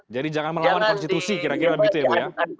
jadi jangan melawan konstitusi kira kira begitu ya bu